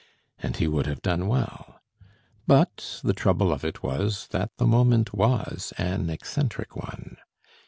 And he would have done well. But the trouble of it was that the moment was an eccentric one.